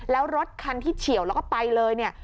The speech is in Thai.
แล้วรถคันที่เฉียวแล้วก็ไปเลยเนี่ย